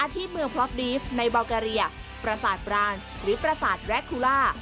อธิบย์เมืองพล็อคดีฟในเบาเกรียปราสาทปรานซ์หรือปราสาทแรคทูล่า